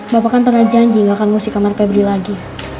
bapak kan pernah janji gak akan ngusik kamar febri lagi